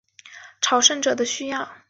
他们还照顾朝圣者的需要。